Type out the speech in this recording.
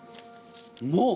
もう！？